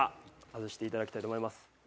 外して頂きたいと思います。